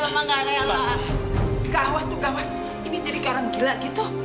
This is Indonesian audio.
mama gawat tuh gawat ini jadi karang gila gitu